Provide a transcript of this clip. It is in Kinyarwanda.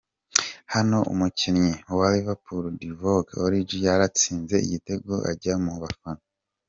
hano umukinnyi wa Lverpool Divock Origi yaratsinze igitego ajya mu bafana